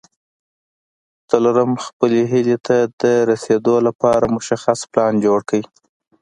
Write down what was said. څلورم خپلې هيلې ته د رسېدو لپاره مشخص پلان جوړ کړئ.